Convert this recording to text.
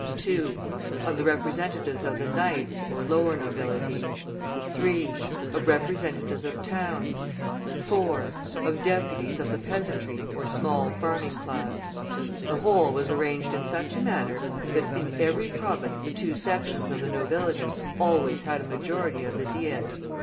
(2) Of the representatives of the knights, or lower nobility. (3) Of representatives of towns. (4) Of deputies of the peasantry, or small farming class. The whole was arranged in such a manner that in every province the two sections of the nobility always had a majority of the Diet.